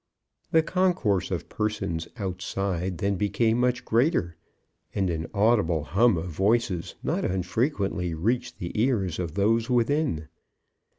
The concourse of persons outside then became much greater, and an audible hum of voices not unfrequently reached the ears of those within.